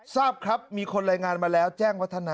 ทราบครับมีคนรายงานมาแล้วแจ้งวัฒนา